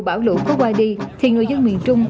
bão lũ có qua đi thì người dân miền trung